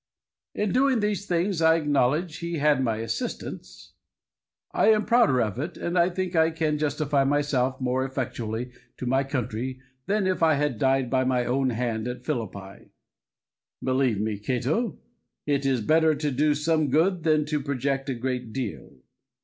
In doing these things I acknowledge he had my assistance. I am prouder of it, and I think I can justify myself more effectually to my country, than if I had died by my own hand at Philippi. Believe me, Cato, it is better to do some good than to project a great deal.